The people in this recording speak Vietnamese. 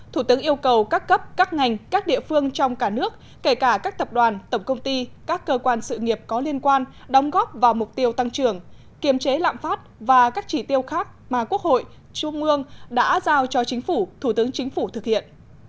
thủ tướng yêu cầu các cấp các ngành các địa phương trong cả nước kể cả các tập đoàn tổng công ty các cơ quan sự nghiệp có liên quan đóng góp vào mục tiêu tăng trưởng kiềm chế lạm phát và các chỉ tiêu khác mà quốc hội trung ương đã giao cho chính phủ thủ tướng chính phủ thực hiện